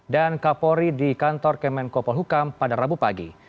dan kapolri di kantor kemenko polhukam pada rabu pagi